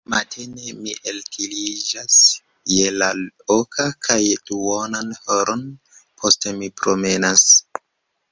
Matene mi ellitiĝas je la oka, kaj duonan horon poste mi promenas.